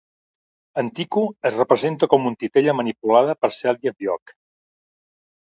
Tico es representa com una titella manipulada per Celia Vioque.